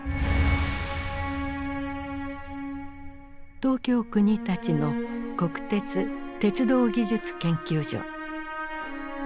東京・国立の国鉄鉄道技術研究所。